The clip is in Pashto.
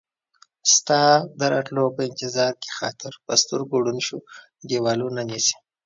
ستا د راتلو په انتظار کې خاطر ، په سترګو ړوند شو ديوالونه نيسي